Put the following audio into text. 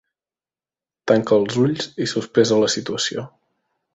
Tanca els ulls i sospesa la situació.